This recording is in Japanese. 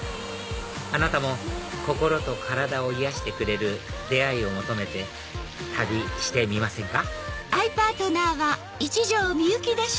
あなたも心と体を癒やしてくれる出会いを求めて旅してみませんか？